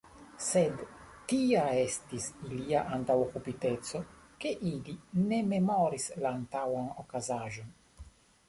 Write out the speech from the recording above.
Sed tia estis ilia antaŭokupiteco, ke ili ne memoris la antaŭan okazaĵon.